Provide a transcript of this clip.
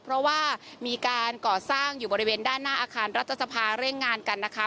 เพราะว่ามีการก่อสร้างอยู่บริเวณด้านหน้าอาคารรัฐสภาเร่งงานกันนะคะ